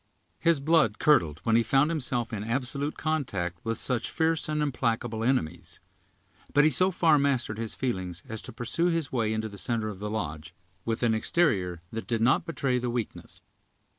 His blood curdled when he found himself in absolute contact with such fierce and implacable enemies; but he so far mastered his feelings as to pursue his way into the center of the lodge, with an exterior that did not betray the weakness.